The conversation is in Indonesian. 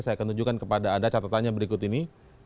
saya akan tunjukkan kepada anda catatannya berikut ini